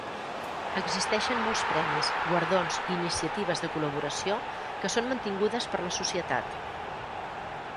Existeixen molts premis, guardons i iniciatives de col·laboració que són mantingudes per la societat.